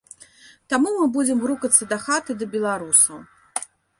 Таму мы будзем грукацца дахаты да беларусаў.